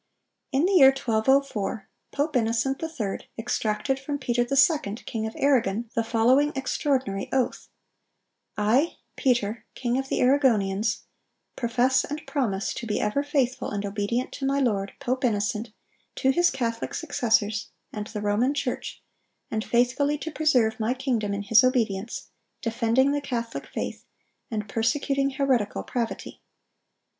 In the year 1204, Pope Innocent III. extracted from Peter II., king of Arragon, the following extraordinary oath: "I, Peter, king of Arragonians, profess and promise to be ever faithful and obedient to my lord, Pope Innocent, to his Catholic successors, and the Roman Church, and faithfully to preserve my kingdom in his obedience, defending the Catholic faith, and persecuting heretical pravity."